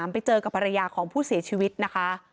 ไปเจอกับภรรยาของผู้เสียชีวิตนะคะ